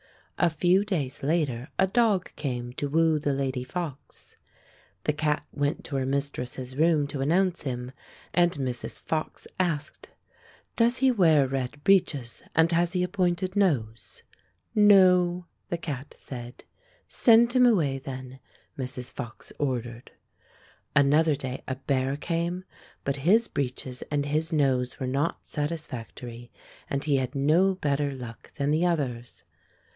A few days later a dog came to woo the lady fox. The cat went to her mistress's room to announce him, and Mrs. Fox asked, "Does he wear red breeches, and has he a pointed nose?" "No," the cat said. " Send him away, then," Mrs. Fox ordered. Another day a bear came, but his breeches and his nose were not satisfactory, and he had no better luck than the others.